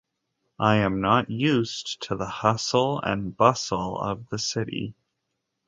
I am not used to the hustle and bustle of the city.